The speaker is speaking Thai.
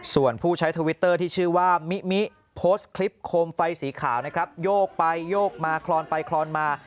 ส่วนผู้ใช้ทวิตเตอร์ที่ชื่อว่ามิมิโพสต์คลิปโคมไฟสีขาวนะครับโยกไปโยกมาคลอนไปคลอนมา